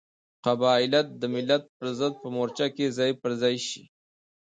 قبایلت د ملت پرضد په مورچه کې ځای پر ځای شي.